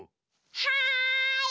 はい！